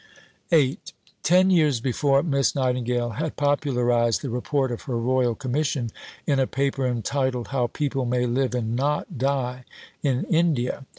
See Bibliography A, Nos. 57, 62. VIII Ten years before Miss Nightingale had popularized the Report of her Royal Commission in a paper entitled "How People may Live and Not Die in India."